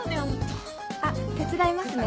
あっ手伝いますね。